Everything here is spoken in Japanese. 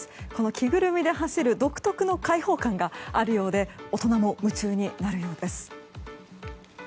着ぐるみで走る独特の開放感があるようで大人も夢中になるようです。